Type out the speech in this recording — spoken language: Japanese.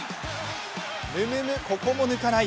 むむむ、ここも抜かない。